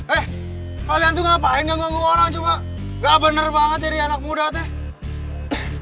eh kalian tuh ngapain ngeganggu orang cuma gak bener banget jadi anak muda teh